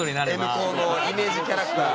Ｎ高のイメージキャラクター。